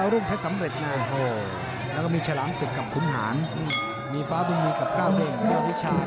รวมประแหน่งก่อนนะครับแล้วเดี๋ยวชูมือเลยชูมือเสร็จลากันเลยครับ